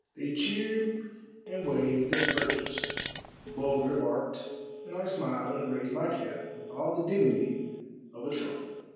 They cheered and waved their kerchiefs, Bulger barked, and I smiled and raised my cap with all the dignity of a Trump.